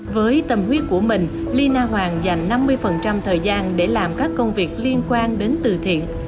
với tâm huyết của mình lina hoàng dành năm mươi thời gian để làm các công việc liên quan đến từ thiện